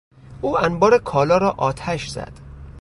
او انبار کالا را آتش زد.